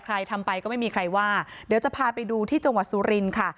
ทำไปก็ไม่มีใครว่าเดี๋ยวจะพาไปดูที่จังหวัดสุรินทร์ค่ะ